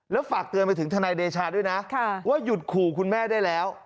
แล้วฝากเตือนไปถึงทนายเดชาด้วยนะว่าหยุดขู่คุณแม่ได้แล้ว